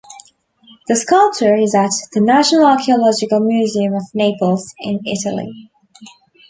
The sculpture is at the National Archaeological Museum of Naples, in Italy.